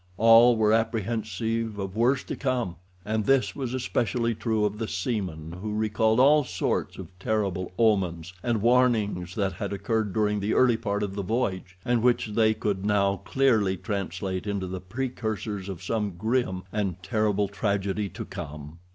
All were apprehensive of worse to come, and this was especially true of the seamen who recalled all sorts of terrible omens and warnings that had occurred during the early part of the voyage, and which they could now clearly translate into the precursors of some grim and terrible tragedy to come.